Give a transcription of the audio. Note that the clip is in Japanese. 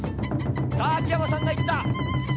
さあ、秋山さんがいった。